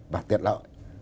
và tiện lợi